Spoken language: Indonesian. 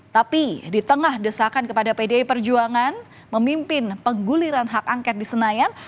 tapi di tengah desakan kepada pdi perjuangan memimpin pengguliran hak angket di senayan